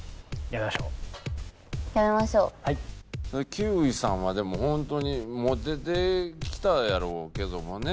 休井さんはでも本当にモテてきたやろうけどもね。